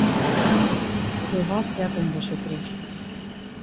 Jehová sea con vosotros.